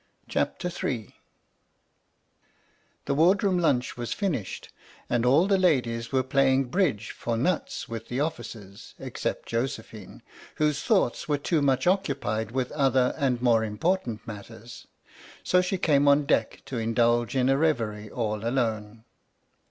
56 HE ward room lunch was finished, and all the ladies were playing " Bridge" for nuts with the officers, except Jose phine, whose thoughts were too much occupied with other and more im portant matters. So she came on deck to indulge in a riverie all alone.